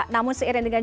namun seiring dengan